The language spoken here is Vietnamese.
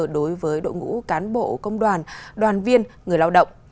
đối với đội ngũ cán bộ công đoàn đoàn viên người lao động